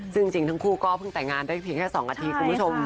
ซึ่งจริงทั้งคู่ก็เพิ่งแต่งงานได้เพียงแค่๒อาทิตย์คุณผู้ชม